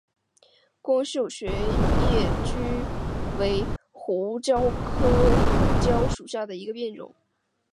光轴苎叶蒟为胡椒科胡椒属下的一个变种。